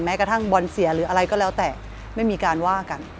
กระทั่งบอลเสียหรืออะไรก็แล้วแต่ไม่มีการว่ากัน